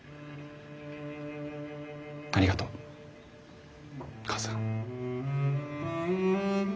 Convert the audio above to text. ありがとう母さん。